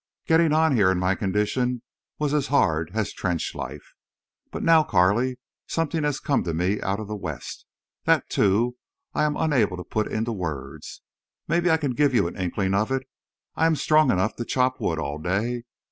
Getting on here, in my condition, was as hard as trench life. But now, Carley—something has come to me out of the West. That, too, I am unable to put into words. Maybe I can give you an inkling of it. I'm strong enough to chop wood all day.